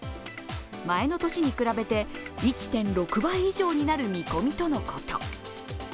前の年に比べて１．６倍以上になる見込みとのこと。